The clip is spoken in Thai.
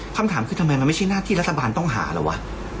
คำถามคือทำไมมันไม่ใช่หน้าที่รัฐบาลต้องหาแล้ววะ